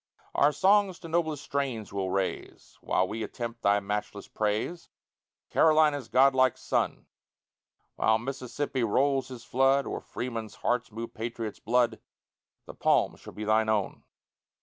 Our songs to noblest strains we'll raise While we attempt thy matchless praise, Carolina's godlike son; While Mississippi rolls his flood, Or Freemen's hearts move patriots' blood, The palm shall be thine own.